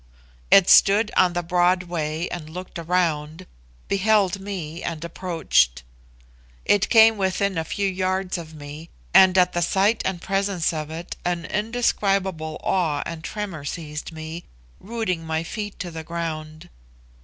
It stood on the broad way and looked around, beheld me and approached. It came within a few yards of me, and at the sight and presence of it an indescribable awe and tremor seized me, rooting my feet to the ground.